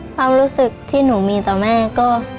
ความรู้สึกที่หนูมีต่อแม่ก็